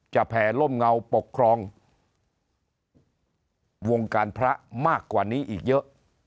แผ่ล่มเงาปกครองวงการพระมากกว่านี้อีกเยอะ